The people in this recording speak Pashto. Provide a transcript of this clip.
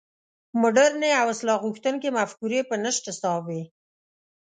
مډرنې او اصلاح غوښتونکې مفکورې په نشت حساب وې.